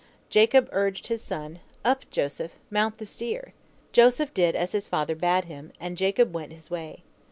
Jacob urged his son, 'Up, Joseph, mount the steer!' Joseph did as his father bade him, and Jacob went his way.